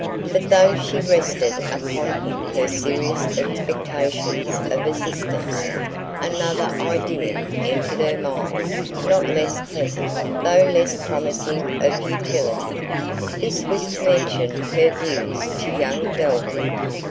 But though she rested upon him her serious expectations of assistance, another idea entered her mind not less pleasant, though less promising of utility: this was to mention her views to young Delvile.